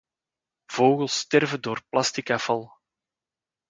Vogels sterven door plastic afval